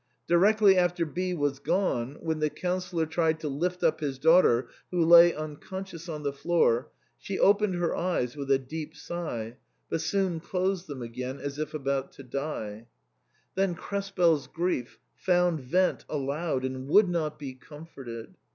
Directly after B was gone, when the Councillor tried to lift up his daughter, who lay unconscious on the floor, she opened her eyes with a deep sigh, but soon closed them again as if about to die. Then KrespeFs grief found vent aloud, and would not be comforted.